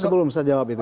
sebelum saya jawab itu